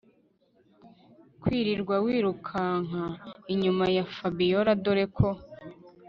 kwirirwa wirukanka inyuma ya Fabiora dore ko